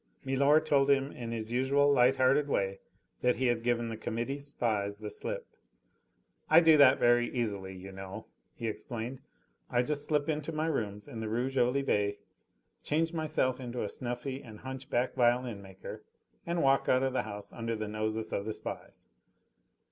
Milor told him in his usual light hearted way that he had given the Committee's spies the slip. "I do that very easily, you know," he explained. "I just slip into my rooms in the Rue Jolivet, change myself into a snuffy and hunchback violin maker, and walk out of the house under the noses of the spies.